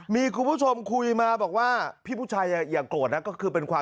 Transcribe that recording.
มีคุณผู้ชมคุยมาบอกว่า